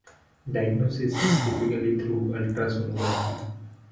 Diagnosis is typically through ultrasonography.